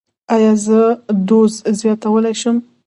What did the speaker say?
ایا زه دوز زیاتولی شم؟